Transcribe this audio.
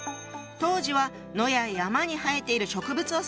当時は野や山に生えている植物を指していたの。